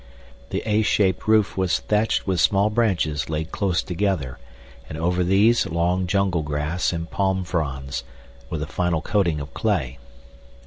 The A shaped roof was thatched with small branches laid close together and over these long jungle grass and palm fronds, with a final coating of clay.